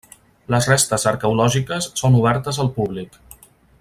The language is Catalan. Les restes arqueològiques són obertes al públic.